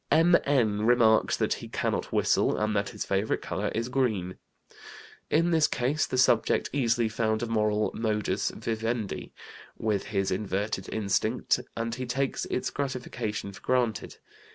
M.N. remarks that he cannot whistle, and that his favorite color is green. In this case the subject easily found a moral modus vivendi with his inverted instinct, and he takes its gratification for granted.